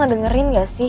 lo ngedengerin nggak sih